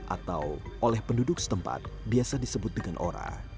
atau oleh penduduk setempat biasa disebut dengan ora